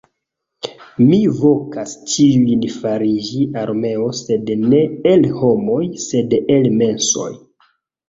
Mi vokas ĉiujn fariĝi armeo sed ne el homoj sed el mensoj